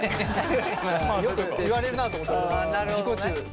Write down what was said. よく言われるなと思って俺も自己中。